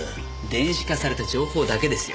電子化された情報だけですよ。